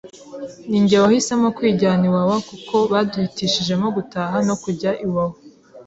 ni njye wahisemo kwijyana iwawa kuko baduhitishijemo gutaha no kujya iwawa